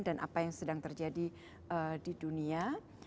dan apa yang sedang terjadi di dunia